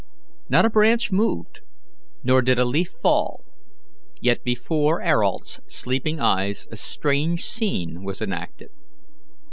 Not a branch moved, nor did a leaf fall, yet before Ayrault's, sleeping eyes a strange scene was enacted.